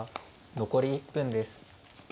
残り１分です。